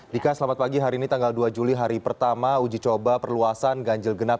dika selamat pagi hari ini tanggal dua juli hari pertama uji coba perluasan ganjil genap